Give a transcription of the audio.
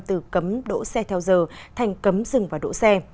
từ cấm đỗ xe theo giờ thành cấm dừng và đỗ xe